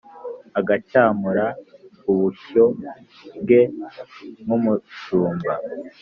agacyamura ubushyo bwe nk’umushumba.